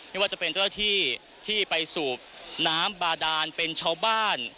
ไม่ว่าจะเป็นเจ้าหน้าที่ที่ไปสูบน้ำบาดานเป็นชาวบ้าน